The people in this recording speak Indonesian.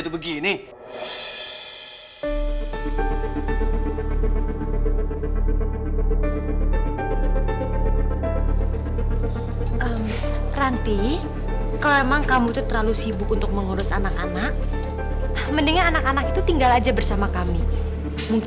dapet mah dapet dapet jatoh